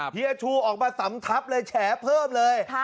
เฮียชูออกมาสำทับเลยแฉเพิ่มเลย